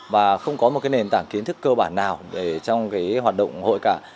và không có một nền tảng kiến thức cơ bản nào để trong hoạt động hội cả